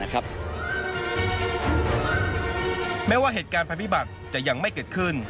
แม้ว่าเหตุการณ์ภัยพิบัติจะยังไม่เกิดขึ้น